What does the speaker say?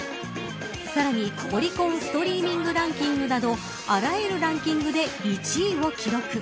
さらにオリコンストリーミングランキングなどあらゆるランキングで１位を記録。